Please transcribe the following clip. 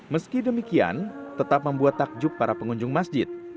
meski demikian tetap membuat takjub para pengunjung masjid